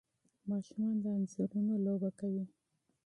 ماشومان د انځورونو لوبه کوي.